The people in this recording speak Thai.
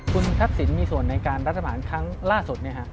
คุณทักษิณมีส่วนในการรัฐบาลครั้งล่าสุด